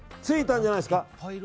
着いたんじゃないですか。